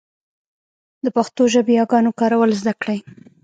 د پښتو ژبې ياګانو کارول زده کړئ.